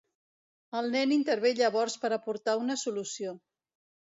El nen intervé llavors per aportar una solució.